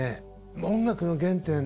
音楽の原点